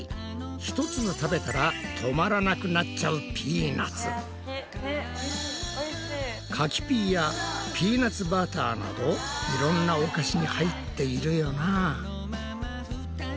一粒食べたら止まらなくなっちゃう柿ピーやピーナツバターなどいろんなお菓子に入っているよな！